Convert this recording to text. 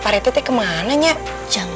pak rt pss kita mau gauw